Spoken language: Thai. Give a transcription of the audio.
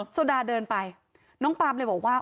โซดาเดินไปน้องปามเลยบอกว่า